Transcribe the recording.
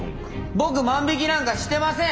僕万引きなんかしてません。